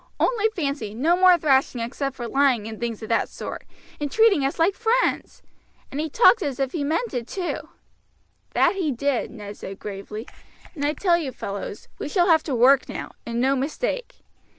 Only fancy, no more thrashing except for lying and things of that sort, and treating us like friends! and he talked as if he meant it too." "That he did," Ned said gravely; "and I tell you, fellows, we shall have to work now, and no mistake.